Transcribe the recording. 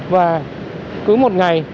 và cứ một ngày